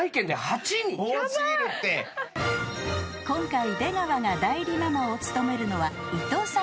［今回出川が代理ママを務めるのは］